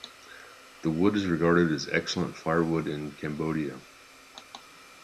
The wood is regarded as excellent firewood in Cambodia.